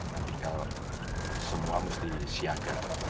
nanti kalau semua mesti siaga